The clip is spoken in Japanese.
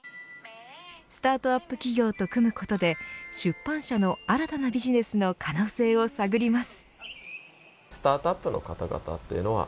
スタートアップ企業と組むことで出版社の新たなビジネスの可能性を探ります。